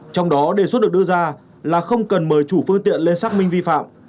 trong đó đề xuất được đưa ra là không cần mời chủ phương tiện lên xác minh vi phạm